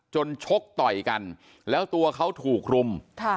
ชกต่อยกันแล้วตัวเขาถูกรุม